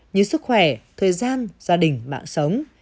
như sức khỏe thời gian gia đình mạng sống